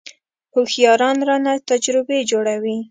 هوښیاران رانه تجربې جوړوي .